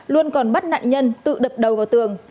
luôn còn bắt nạn nhân tự đập đầu vào tường